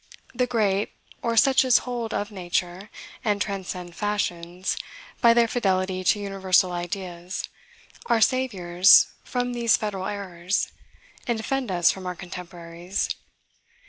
The great, or such as hold of nature, and transcend fashions, by their fidelity to universal ideas, are saviors from these federal errors, and defend us from our contemporaries.